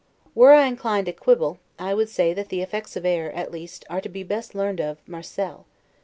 Were I inclined to quibble, I would say, that the effects of air, at least, are best to be learned of Marcel.